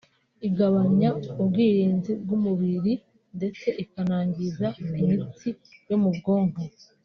igabanya ubwirinzi bw’umubiri ndetse ikanangiza imitsi yo mu bwonko